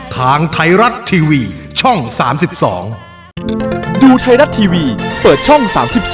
ทางไทรัตทีวีช่อง๓๒